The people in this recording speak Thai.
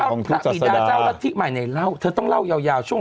ของทุกจะแล้วในเล่าเธอต้องเล่ายาวช่วง